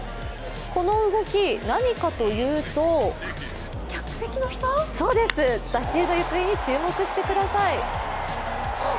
この動き、何かというと打球の行方に注目してください。